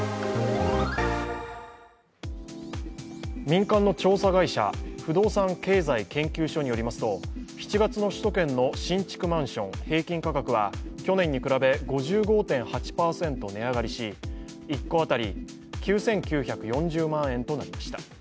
民間の調査会社、不動産経済研究所によりますと７月の首都圏の新築マンション平均価格は去年に比べ５５．８％値上がりし１戸当たり９９４０万円となりました。